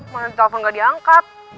mana di telpon gak diangkat